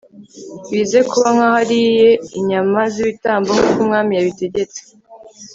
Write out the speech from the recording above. bize kuba nk'aho ariye inyama z'ibitambo nk'uko umwami yabitegetse